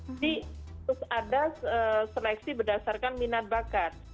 jadi harus ada seleksi berdasarkan minat bakat